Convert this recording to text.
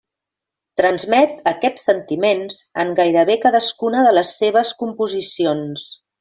Transmet aquests sentiments en gairebé cadascuna de les seves composicions.